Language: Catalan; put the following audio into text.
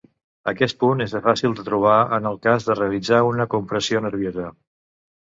Aquest punt és de fàcil de trobar en el cas de realitzar una compressió nerviosa.